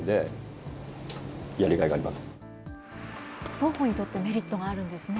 双方にとってメリットがあるんですね。